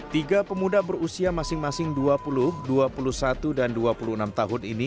tiga pemuda berusia masing masing dua puluh dua puluh satu dan dua puluh enam tahun ini